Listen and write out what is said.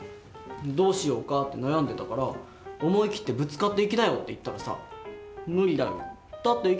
どうしようかって悩んでたから「思い切ってぶつかっていきなよ」って言ったらさ「無理だよだってイケメンなんだもん」って。